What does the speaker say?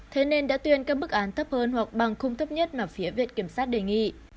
thế nên đã tuyên các bức án thấp hơn hoặc bằng khung thấp nhất mà phía viện kiểm sát đề nghị